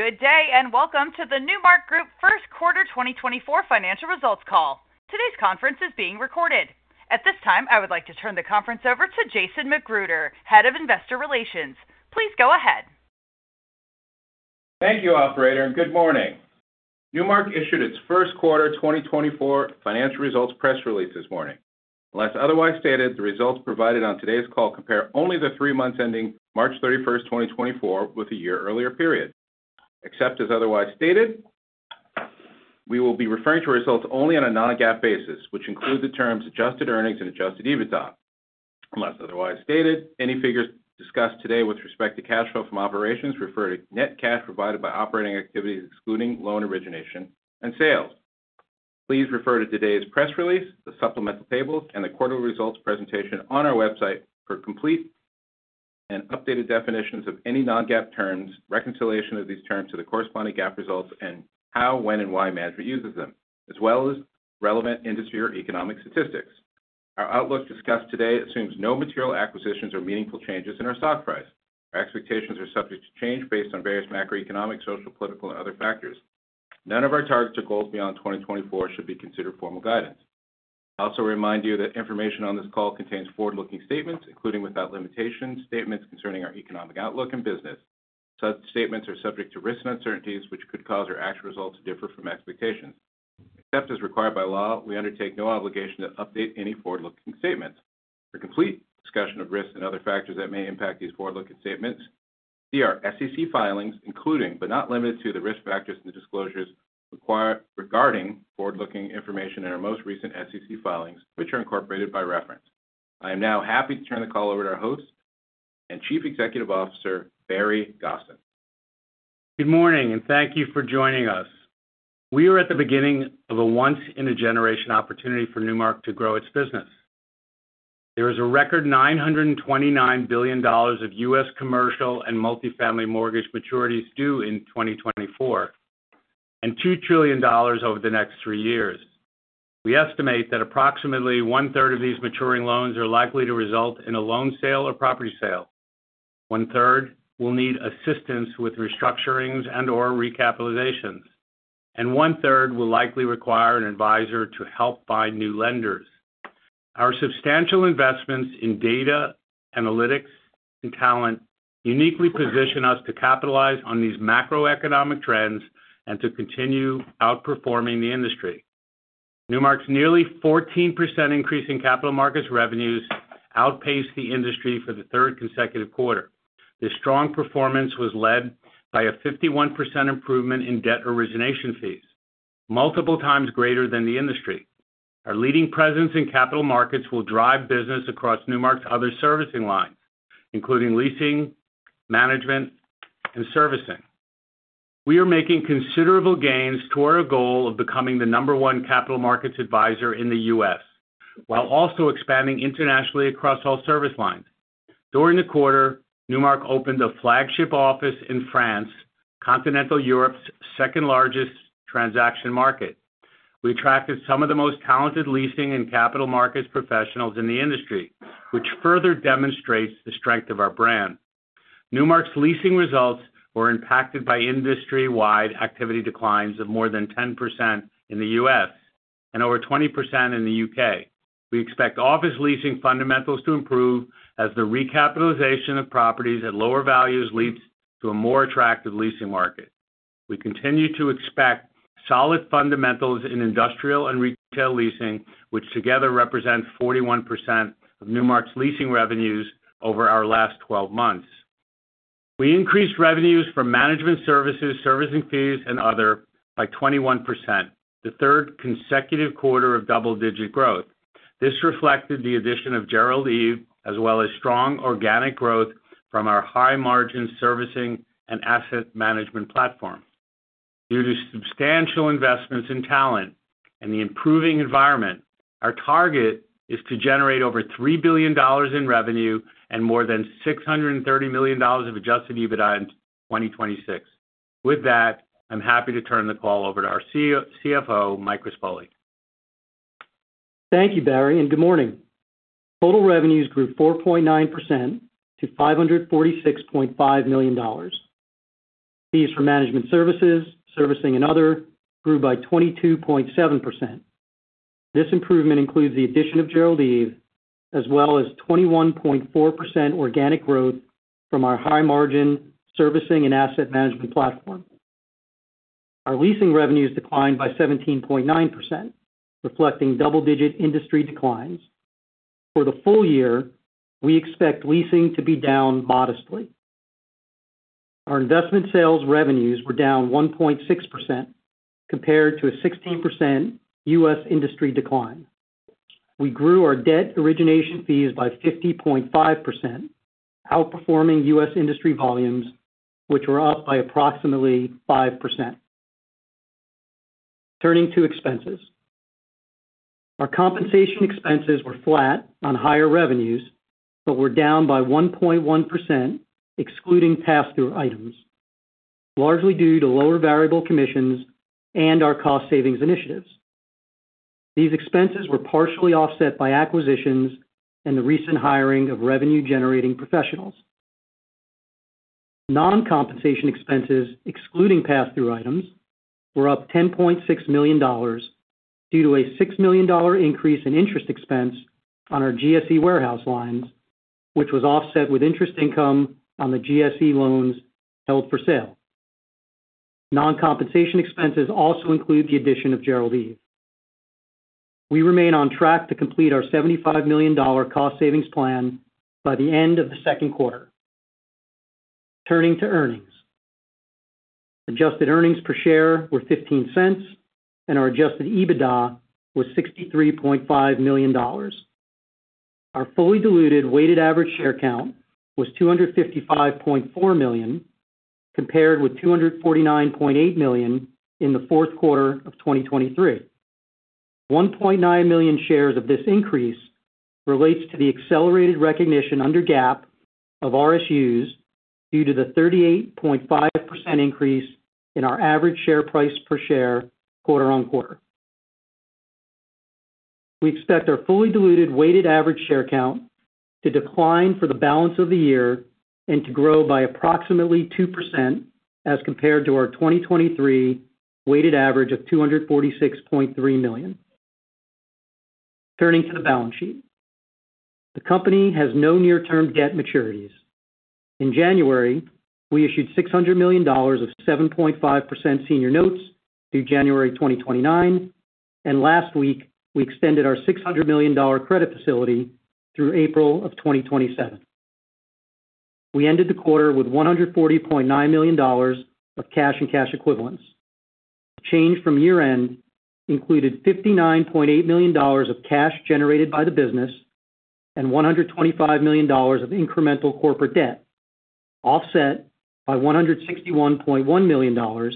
Good day, and welcome to the Newmark Group first quarter 2024 financial results call. Today's conference is being recorded. At this time, I would like to turn the conference over to Jason McGruder, Head of Investor Relations. Please go ahead. Thank you, operator, and good morning. Newmark issued its first quarter 2024 financial results press release this morning. Unless otherwise stated, the results provided on today's call compare only the three months ending March 31st, 2024, with the year earlier period. Except as otherwise stated, we will be referring to results only on a non-GAAP basis, which include the terms adjusted earnings and adjusted EBITDA. Unless otherwise stated, any figures discussed today with respect to cash flow from operations refer to net cash provided by operating activities, excluding loan origination and sales. Please refer to today's press release, the supplemental tables, and the quarterly results presentation on our website for complete and updated definitions of any non-GAAP terms, reconciliation of these terms to the corresponding GAAP results, and how, when, and why management uses them, as well as relevant industry or economic statistics. Our outlook discussed today assumes no material acquisitions or meaningful changes in our stock price. Our expectations are subject to change based on various macroeconomic, social, political, and other factors. None of our targets or goals beyond 2024 should be considered formal guidance. I also remind you that information on this call contains forward-looking statements, including, without limitation, statements concerning our economic outlook and business. Such statements are subject to risks and uncertainties, which could cause our actual results to differ from expectations. Except as required by law, we undertake no obligation to update any forward-looking statements. For complete discussion of risks and other factors that may impact these forward-looking statements, see our SEC filings, including but not limited to, the risk factors and disclosures required regarding forward-looking information in our most recent SEC filings, which are incorporated by reference. I am now happy to turn the call over to our host and Chief Executive Officer, Barry Gosin. Good morning, and thank you for joining us. We are at the beginning of a once-in-a-generation opportunity for Newmark to grow its business. There is a record $929 billion of U.S. commercial and multifamily mortgage maturities due in 2024, and $2 trillion over the next three years. We estimate that approximately 1/3 of these maturing loans are likely to result in a loan sale or property sale. 1/3 will need assistance with restructurings and/or recapitalizations, and 1/3 will likely require an advisor to help find new lenders. Our substantial investments in data, analytics, and talent uniquely position us to capitalize on these macroeconomic trends and to continue outperforming the industry. Newmark's nearly 14% increase in capital markets revenues outpaced the industry for the third consecutive quarter. This strong performance was led by a 51% improvement in debt origination fees, multiple times greater than the industry. Our leading presence in capital markets will drive business across Newmark's other servicing lines, including leasing, management, and servicing. We are making considerable gains toward our goal of becoming the number one capital markets advisor in the U.S., while also expanding internationally across all service lines. During the quarter, Newmark opened a flagship office in France, Continental Europe's second-largest transaction market. We attracted some of the most talented leasing and capital markets professionals in the industry, which further demonstrates the strength of our brand. Newmark's leasing results were impacted by industry-wide activity declines of more than 10% in the U.S. and over 20% in the U.K. We expect office leasing fundamentals to improve as the recapitalization of properties at lower values leads to a more attractive leasing market. We continue to expect solid fundamentals in industrial and retail leasing, which together represent 41% of Newmark's leasing revenues over our last twelve months. We increased revenues from management services, servicing fees, and other by 21%, the third consecutive quarter of double-digit growth. This reflected the addition of Gerald Eve, as well as strong organic growth from our high-margin servicing and asset management platform. Due to substantial investments in talent and the improving environment, our target is to generate over $3 billion in revenue and more than $630 million of adjusted EBITDA in 2026. With that, I'm happy to turn the call over to our CEO--CFO, Mike Rispoli. Thank you, Barry, and good morning. Total revenues grew 4.9% to $546.5 million. Fees for management services, servicing and other grew by 22.7%. This improvement includes the addition of Gerald Eve, as well as 21.4% organic growth from our high-margin servicing and asset management platform. Our leasing revenues declined by 17.9%, reflecting double-digit industry declines. For the full year, we expect leasing to be down modestly. Our investment sales revenues were down 1.6% compared to a 16% U.S. industry decline. We grew our debt origination fees by 50.5%, outperforming US industry volumes, which were up by approximately 5%. Turning to expenses. Our compensation expenses were flat on higher revenues, but were down by 1.1%, excluding pass-through items, largely due to lower variable commissions and our cost savings initiatives. These expenses were partially offset by acquisitions and the recent hiring of revenue-generating professionals. Non-compensation expenses, excluding pass-through items, were up $10.6 million, due to a $6 million increase in interest expense on our GSE warehouse lines, which was offset with interest income on the GSE loans held for sale. Non-compensation expenses also include the addition of Gerald Eve. We remain on track to complete our $75 million cost savings plan by the end of the second quarter. Turning to earnings. Adjusted earnings per share were $0.15, and our Adjusted EBITDA was $63.5 million. Our fully diluted weighted average share count was 255.4 million, compared with 249.8 million in the fourth quarter of 2023. 1.9 million shares of this increase relates to the accelerated recognition under GAAP of RSUs, due to the 38.5% increase in our average share price per share quarter on quarter. We expect our fully diluted weighted average share count to decline for the balance of the year and to grow by approximately 2% as compared to our 2023 weighted average of 246.3 million. Turning to the balance sheet. The company has no near-term debt maturities. In January, we issued $600 million of 7.5% senior notes through January 2029, and last week, we extended our $600 million credit facility through April 2027. We ended the quarter with $140.9 million of cash and cash equivalents. The change from year-end included $59.8 million of cash generated by the business and $125 million of incremental corporate debt, offset by $161.1 million,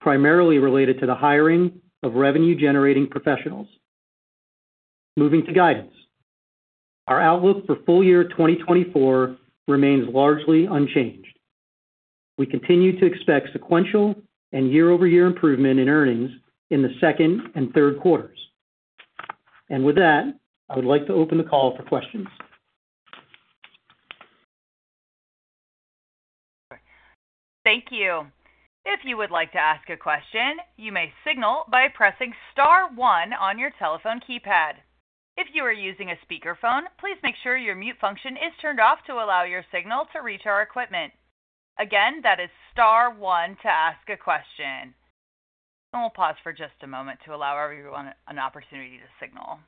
primarily related to the hiring of revenue-generating professionals. Moving to guidance. Our outlook for full year 2024 remains largely unchanged. We continue to expect sequential and year-over-year improvement in earnings in the second and third quarters. And with that, I would like to open the call for questions. Thank you. If you would like to ask a question, you may signal by pressing star one on your telephone keypad. If you are using a speakerphone, please make sure your mute function is turned off to allow your signal to reach our equipment. Again, that is star one to ask a question. And we'll pause for just a moment to allow everyone an opportunity to signal.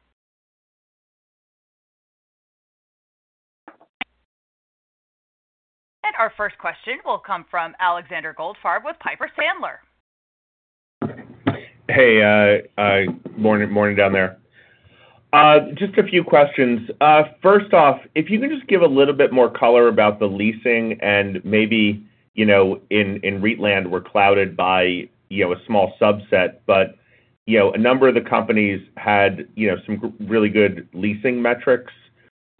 And our first question will come from Alexander Goldfarb with Piper Sandler. Hey, morning, morning down there. Just a few questions. First off, if you can just give a little bit more color about the leasing and maybe, you know, in REIT land, we're clouded by, you know, a small subset, but, you know, a number of the companies had, you know, some really good leasing metrics.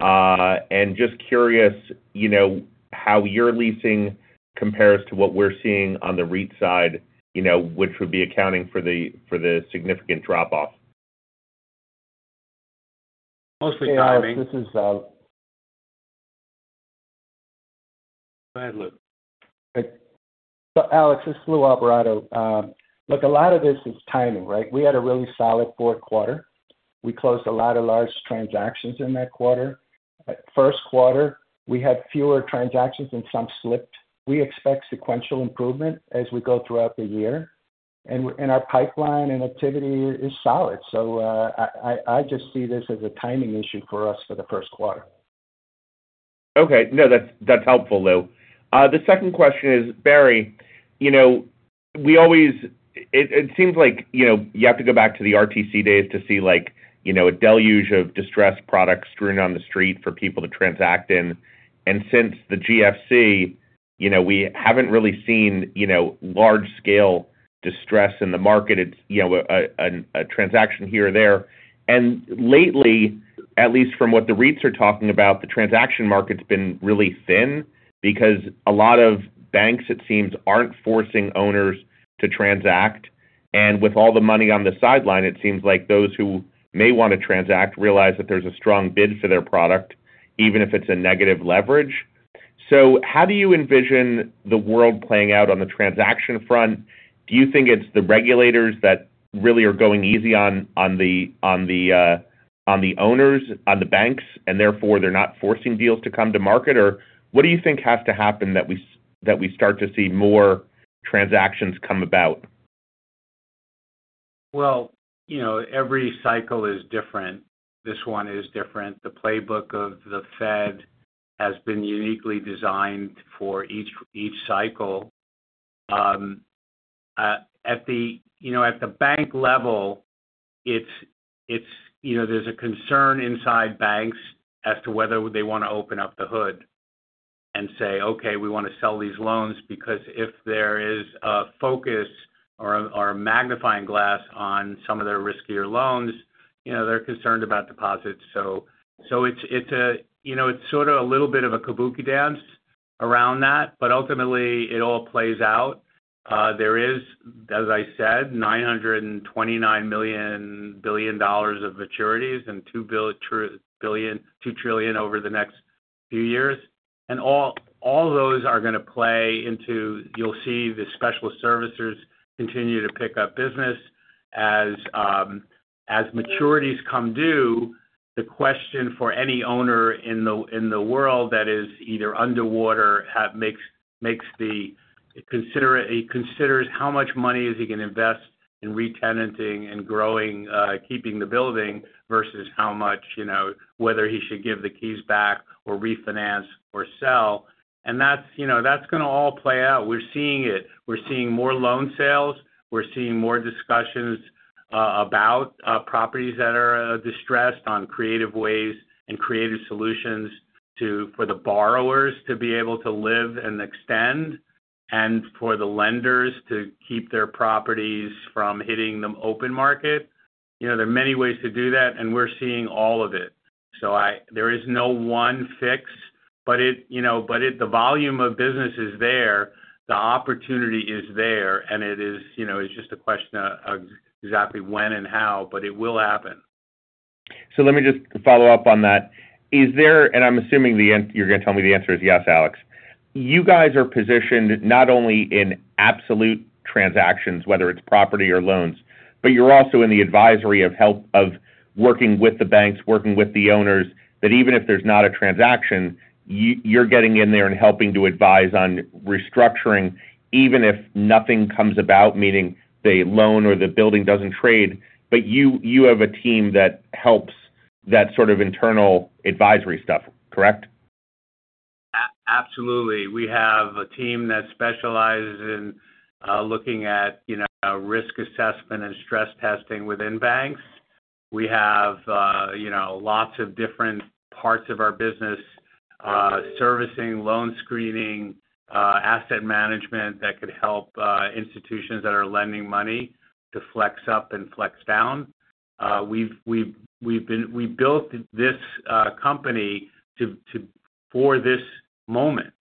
And just curious, you know, how your leasing compares to what we're seeing on the REIT side, you know, which would be accounting for the significant drop-off? Mostly, this is- Go ahead, Lou. Alex, this is Lou Alvarado. Look, a lot of this is timing, right? We had a really solid fourth quarter. We closed a lot of large transactions in that quarter. At first quarter, we had fewer transactions and some slipped. We expect sequential improvement as we go throughout the year, and our pipeline and activity is solid. So, I just see this as a timing issue for us for the first quarter. Okay. No, that's, that's helpful, Lou. The second question is, Barry, you know, it seems like, you know, you have to go back to the RTC days to see like, you know, a deluge of distressed products strewn on the street for people to transact in. And since the GFC, you know, we haven't really seen, you know, large scale distress in the market. It's, you know, a transaction here or there. And lately, at least from what the REITs are talking about, the transaction market's been really thin because a lot of banks, it seems, aren't forcing owners to transact. And with all the money on the sideline, it seems like those who may want to transact realize that there's a strong bid for their product, even if it's a negative leverage. So how do you envision the world playing out on the transaction front? Do you think it's the regulators that really are going easy on the owners, on the banks, and therefore, they're not forcing deals to come to market? Or what do you think has to happen that we start to see more transactions come about? Well, you know, every cycle is different. This one is different. The playbook of the Fed has been uniquely designed for each, each cycle. At the, you know, at the bank level, it's, it's-- you know, there's a concern inside banks as to whether they want to open up the hood and say: Okay, we want to sell these loans, because if there is a focus or, or a magnifying glass on some of their riskier loans, you know, they're concerned about deposits. So, so it's, it's a, you know, it's sort of a little bit of a kabuki dance around that, but ultimately, it all plays out. There is, as I said, $929 billion of maturities and $2 trillion over the next few years. All those are gonna play into. You'll see the special servicers continue to pick up business. As maturities come due, the question for any owner in the world that is either underwater, he considers how much money is he going to invest in retenanting and growing, keeping the building, versus how much, you know, whether he should give the keys back or refinance or sell. That's, you know, that's gonna all play out. We're seeing it. We're seeing more loan sales, we're seeing more discussions about properties that are distressed, on creative ways and creative solutions for the borrowers to be able to live and extend, and for the lenders to keep their properties from hitting the open market. You know, there are many ways to do that, and we're seeing all of it. So there is no one fix, but it, you know, but it, the volume of business is there, the opportunity is there, and it is, you know, it's just a question of exactly when and how, but it will happen. So let me just follow up on that. Is there... And I'm assuming the answer you're gonna tell me the answer is yes, Alex. You guys are positioned not only in absolute transactions, whether it's property or loans, but you're also in the advisory of help, of working with the banks, working with the owners, that even if there's not a transaction, you're getting in there and helping to advise on restructuring, even if nothing comes about, meaning the loan or the building doesn't trade. But you, you have a team that helps that sort of internal advisory stuff, correct? Absolutely. We have a team that specializes in looking at, you know, risk assessment and stress testing within banks. We have, you know, lots of different parts of our business, servicing, loan screening, asset management, that could help institutions that are lending money to flex up and flex down. We've built this company to for this moment,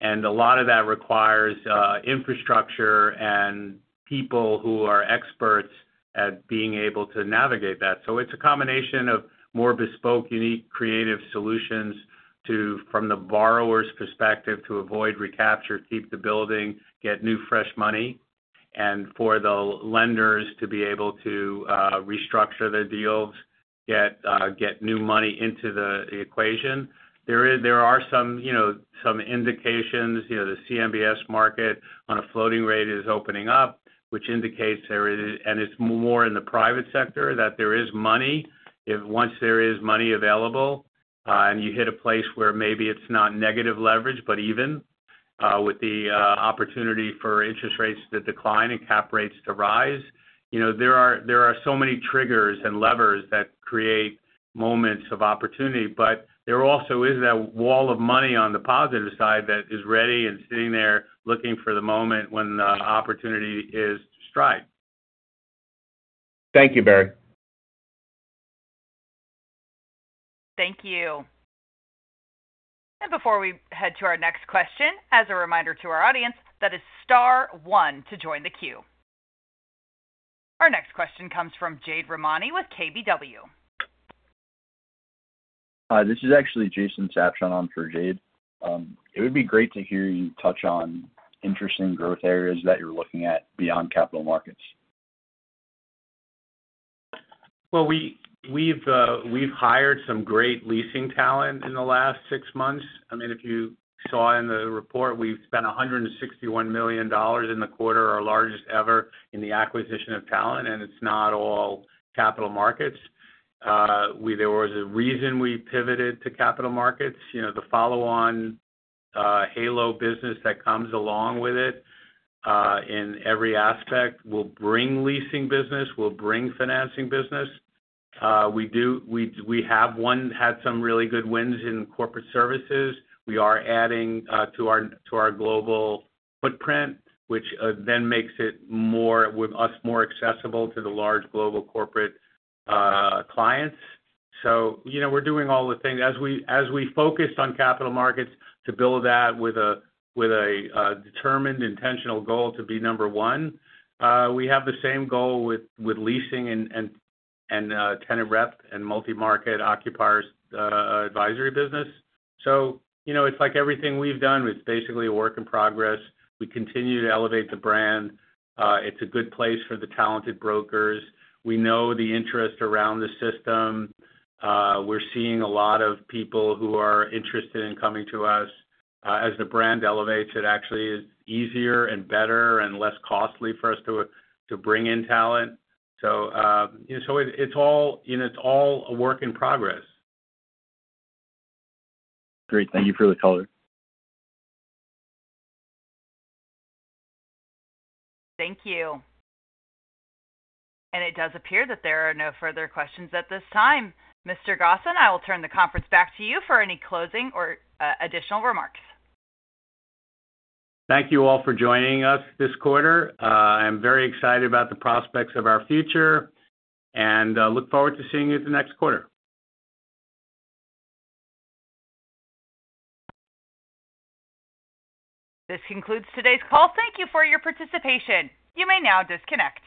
and a lot of that requires infrastructure and people who are experts at being able to navigate that. So it's a combination of more bespoke, unique, creative solutions to from the borrower's perspective to avoid recapture, keep the building, get new, fresh money, and for the lenders to be able to restructure the deals, get new money into the equation. There are some, you know, some indications, you know, the CMBS market on a floating rate is opening up, which indicates there is... And it's more in the private sector, that there is money. If once there is money available, and you hit a place where maybe it's not negative leverage, but even, with the, opportunity for interest rates to decline and cap rates to rise, you know, there are so many triggers and levers that create moments of opportunity. But there also is that wall of money on the positive side that is ready and sitting there, looking for the moment when the opportunity is to strike. Thank you, Barry. Thank you. Before we head to our next question, as a reminder to our audience, that is star one to join the queue. Our next question comes from Jade Rahmani with KBW. Hi, this is actually Jason Sabshon on for Jade. It would be great to hear you touch on interesting growth areas that you're looking at beyond capital markets. Well, we've hired some great leasing talent in the last six months. I mean, if you saw in the report, we've spent $161 million in the quarter, our largest ever in the acquisition of talent, and it's not all capital markets. There was a reason we pivoted to capital markets. You know, the follow-on, halo business that comes along with it, in every aspect, will bring leasing business, will bring financing business. We have had some really good wins in corporate services. We are adding to our global footprint, which then makes it more, with us, more accessible to the large global corporate clients. So, you know, we're doing all the things. As we focused on capital markets to build that with a determined, intentional goal to be number one, we have the same goal with leasing and tenant rep and multi-market occupiers advisory business. So you know, it's like everything we've done. It's basically a work in progress. We continue to elevate the brand. It's a good place for the talented brokers. We know the interest around the system. We're seeing a lot of people who are interested in coming to us. As the brand elevates, it actually is easier and better and less costly for us to bring in talent. So, it's all, you know, it's all a work in progress. Great. Thank you for the color. Thank you. It does appear that there are no further questions at this time. Mr. Gosin, I will turn the conference back to you for any closing or additional remarks. Thank you all for joining us this quarter. I'm very excited about the prospects of our future, and look forward to seeing you the next quarter. This concludes today's call. Thank you for your participation. You may now disconnect.